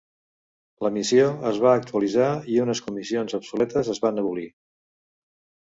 La missió es va actualitzar i unes comissions obsoletes es van abolir.